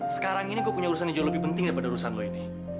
sekarang ini kau punya urusan yang jauh lebih penting daripada urusan lo ini